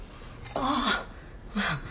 ああ。